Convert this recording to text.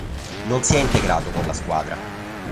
Non si è integrato con la squadra.